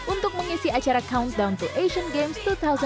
untuk mengisi acara countdown to asian games dua ribu delapan belas